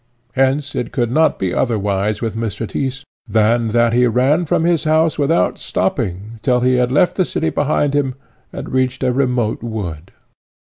Hence it could not be otherwise with Mr. Tyss, than that he ran from his house without stopping, till he had left the city behind him and reached a remote wood.